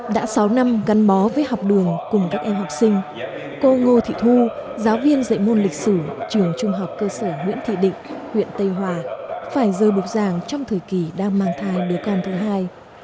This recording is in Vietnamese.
đã sáu năm gắn bó với học đường cùng các em học sinh cô ngô thị thu giáo viên dạy môn lịch sử trường trung học cơ sở nguyễn thị định huyện tây hòa phải rơi bục giảng trong thời kỳ đang mang thai đứa con thứ hai